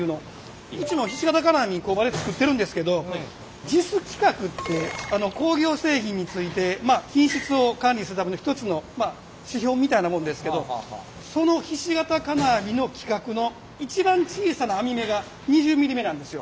うちもひし形金網工場で作ってるんですけどＪＩＳ規格って工業製品についてまあ品質を管理するための一つの指標みたいなもんですけどそのひし形金網の規格の一番小さな網目が２０ｍｍ目なんですよ。